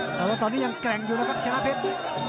แต่ว่าตอนนี้ยังแกร่งอยู่นะครับชนะเพชร